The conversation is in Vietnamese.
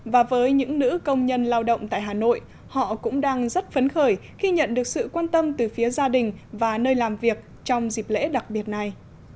và với những nữ công nhân lao động tại hà nội họ cũng đang rất phấn khởi khi nhận được sự quan tâm từ phía gia đình và nơi làm việc trong dịp lễ đặc biệt này